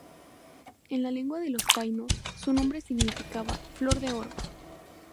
En la lengua de los taínos su nombre significaba "Flor de Oro".